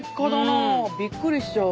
うんびっくりしちゃう。